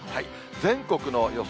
全国の予想